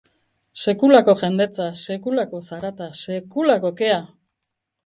Sekulako jendetza, sekulako zarata, sekulako kea!